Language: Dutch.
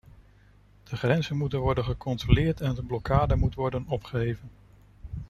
De grenzen moeten worden gecontroleerd en de blokkade moet worden opgeheven.